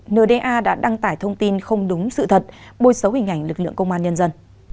nda đã đăng tải thông tin không đúng sự thật bôi xấu hình ảnh lực lượng công an nhân dân